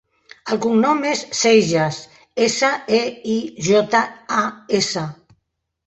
El cognom és Seijas: essa, e, i, jota, a, essa.